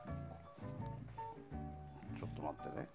ちょっと待ってね。